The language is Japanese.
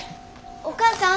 お母さん。